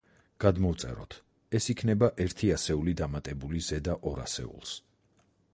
გადმოვწეროთ. ეს იქნება ერთი ასეული დამატებული ზედა ორ ასეულს.